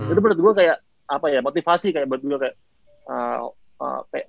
itu menurut gue kayak apa ya motivasi kayak buat gue kayak